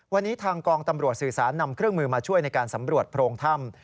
วันนี้ทางกองตำรวจสื่อสารนำเครื่องมือมาช่วยในการสำรวจโพรงถ้ำ